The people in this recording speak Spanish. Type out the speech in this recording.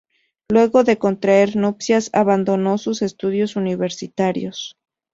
Luego de contraer nupcias abandonó sus estudios universitarios.